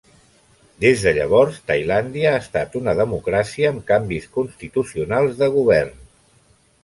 Des de llavors, Tailàndia ha estat una democràcia amb canvis constitucionals de govern.